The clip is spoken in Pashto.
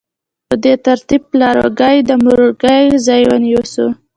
په دې ترتیب پلارواکۍ د مورواکۍ ځای ونیو.